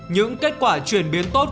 những kết quả chuyển biến tốt